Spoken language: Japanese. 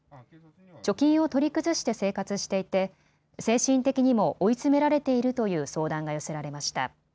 貯金を取り崩して生活していて精神的にも追い詰められているという相談が寄せられました。